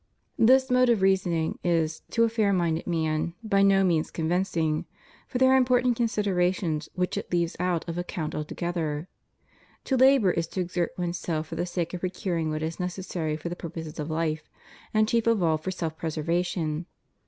This mode of reasoning is, to a fair minded man, by no means convincing, for there are important considera tions which it leaves out of account altogether. To labor is to exert one's self for the sake of procuring what is neces sary for the purposes of life, and chief of all for self preser vation.